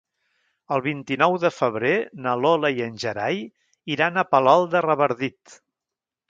El vint-i-nou de febrer na Lola i en Gerai iran a Palol de Revardit.